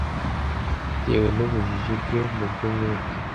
bitewe n’ubujiji bwe mu by’umwuka.